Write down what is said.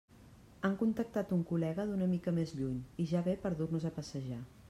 Han contactat un col·lega d'una mica més lluny i ja ve per dur-nos a passejar.